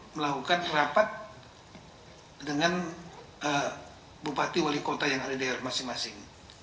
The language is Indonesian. melakukan rapat dengan bupati wali kota yang ada di daerah masing masing